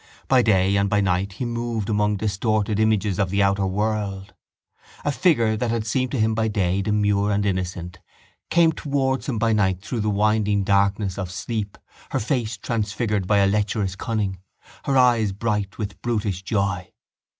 By day and by night he moved among distorted images of the outer world. A figure that had seemed to him by day demure and innocent came towards him by night through the winding darkness of sleep, her face transfigured by a lecherous cunning, her eyes bright with brutish joy.